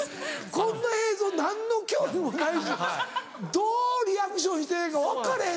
こんな映像何の興味もないしどうリアクションしてええか分かれへんねん。